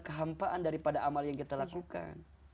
kehampaan daripada amal yang kita lakukan